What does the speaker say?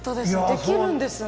できるんですね。